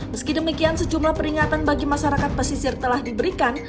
meski demikian sejumlah peringatan bagi masyarakat pesisir telah diberikan